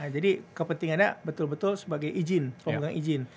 jadi kepentingannya betul betul sebagai izin pemegang izin